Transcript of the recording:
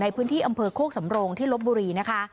ในพื้นที่อำเภอโคกสำโรงที่ลบบุรีนะคะ